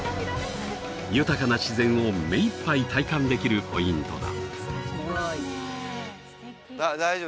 豊かな自然を目いっぱい体感できるポイントだ